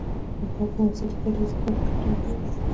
پانګوال په متوسطې ګټې اضافي ګټه نه کوي